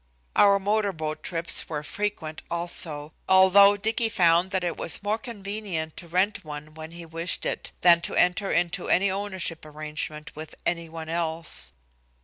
Our motor boat trips were frequent also, although Dicky found that it was more convenient to rent one when he wished it than to enter into any ownership arrangement with any one else.